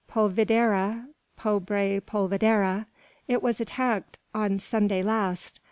Polvidera; pobre polvidera! It was attacked on Sunday last.